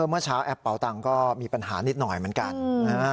เมื่อเช้าแอปเป่าตังค์ก็มีปัญหานิดหน่อยเหมือนกันนะฮะ